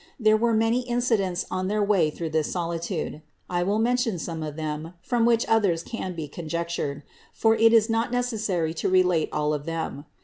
There were many inci dents on their way through this solitude ; I will mention some of them, from which others can be conjectured; for it is not necessary to relate all of them.